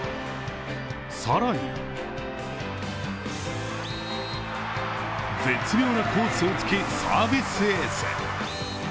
更に絶妙なコースを突きサービスエース。